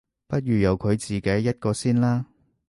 不如由佢自己一個先啦